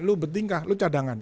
lo betingkah lo cadangan